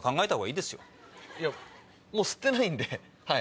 いやもう吸ってないんではい。